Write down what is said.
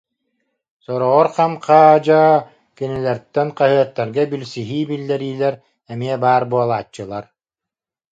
Сороҕор хам-хаадьаа кинилэртэн хаһыаттарга билсиһии биллэриилэр эмиэ баар буолааччылар